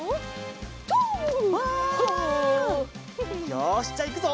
よしじゃあいくぞ！